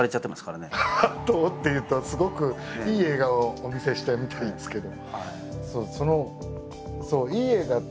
「ハートを」っていうとすごくいい映画をお見せしたみたいですけど。